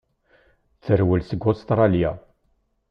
Terwel seg Ustṛalya.